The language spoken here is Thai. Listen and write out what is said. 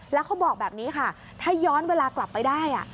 แล้วเขาบอกแบบนี้ค่ะถ้าย้อนเวลากลับไปได้